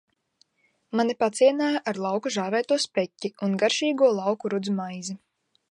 Mani pacienāja ar lauku žāvēto speķi un garšīgo lauku rudzu maizi.